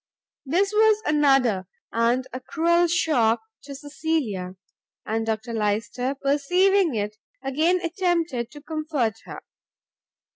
This was another, and a cruel shock to Cecilia, and Dr Lyster, perceiving it, again attempted to comfort her.